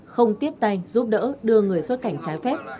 không tiếp tay giúp đỡ đưa người xuất cảnh trái phép